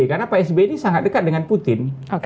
karena pak sby ini sangat dekat dengan putin